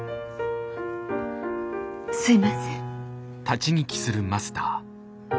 すいません。